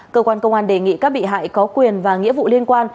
cơ quan công an đề nghị các bị hại có quyền và nghĩa vụ liên quan